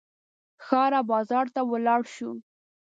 ښار او بازار ته ولاړ شو.